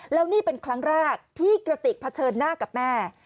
แล้วนี่เป็นครั้งแรกที่กระติกเผชิญหน้ากับแม่